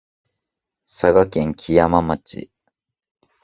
佐賀県基山町